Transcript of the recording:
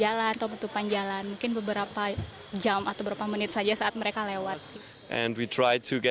ya saya mengenal dia dari berita dan semua pengangkutan taxi yang datang